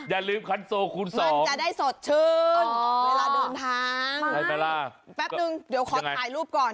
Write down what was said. อย่าลืมคันโซคูณใส่มันจะได้สดชื่นเวลาเดินทางแป๊บนึงเดี๋ยวขอถ่ายรูปก่อน